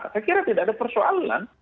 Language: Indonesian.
saya kira tidak ada persoalan